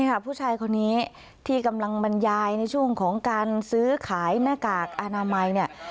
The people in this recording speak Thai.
ผู้ชายคนนี้ที่กำลังบรรยายในช่วงของการซื้อขายหน้ากากอนามัยเนี่ย